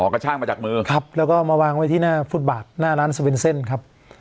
อ๋อกระชากมาจากมือครับแล้วก็มาวางไว้ที่หน้าหน้าร้านครับ